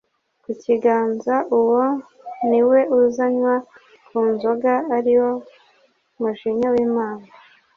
ku kiganza, uwo niwe uzanywa ku nzoga ariyo mujinya w'imana